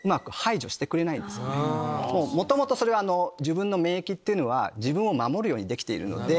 元々自分の免疫っていうのは自分を守るようにできてるので。